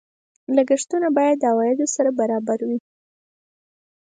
لګښتونه باید د عوایدو سره برابر وي.